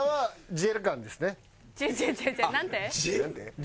ジェル。